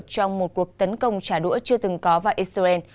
trong một cuộc tấn công trả đũa chưa từng có vào israel